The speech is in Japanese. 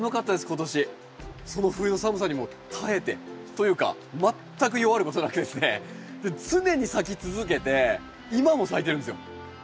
今年その冬の寒さにも耐えてというか全く弱ることなくですね常に咲き続けて今も咲いてるんですよ。